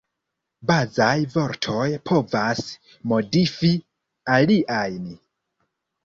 Bazaj vortoj povas modifi aliajn.